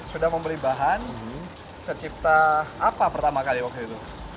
sudah membeli bahan tercipta apa pertama kali waktu itu